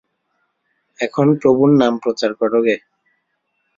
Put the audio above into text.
এখন প্রভুর নাম প্রচার করগে।